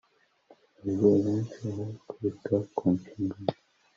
Ababyeyi benshi aho kwita ku nshingano